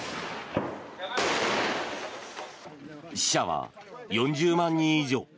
死者は４０万人以上。